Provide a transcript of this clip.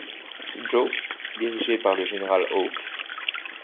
Joe dirigée par le général Hawk.